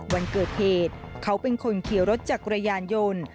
วันเกิดเหตุเขาเป็นคนขี่รถจักรยานยนต์